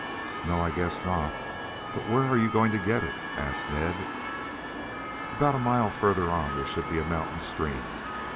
"No, I guess not. But where are you going to get it?" asked Ned. "About a mile further on there should be a mountain stream.